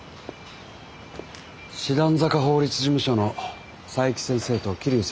師団坂法律事務所の佐伯先生と桐生先生ですね。